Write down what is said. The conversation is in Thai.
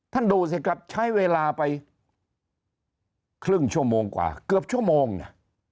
ดูสิครับใช้เวลาไปครึ่งชั่วโมงกว่าเกือบชั่วโมงนะ